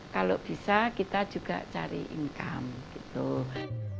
kalau bisa kita juga cari income gitu